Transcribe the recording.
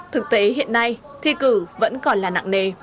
thực tế hiện nay thi cử vẫn còn là nặng nề